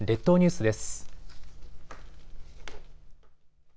列島ニュースです。